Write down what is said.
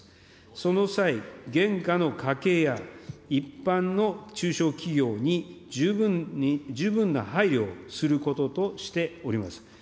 その際、現下の家計や一般の中小企業に十分な配慮をすることとしています。